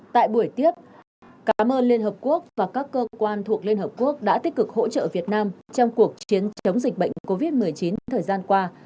tại buổi tiếp cảm ơn liên hợp quốc và các cơ quan thuộc liên hợp quốc đã tích cực hỗ trợ việt nam trong cuộc chiến chống dịch bệnh covid một mươi chín thời gian qua